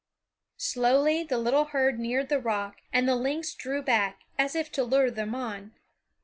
Slowly the little herd neared the rock and the lynx drew back, as if to lure them on.